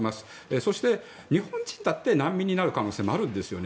そして、日本人だって難民になる可能性もあるんですよね。